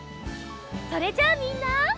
それじゃあみんな。